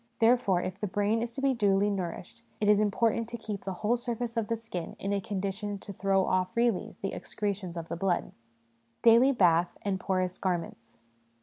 Therefore, if the brain is to be duly nourished, it is important to keep the whole surface of the skin in a condition to throw off freely the excretions of the blood. Daily Bath and Porous Garments.